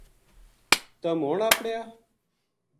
تم ہن اپڑیا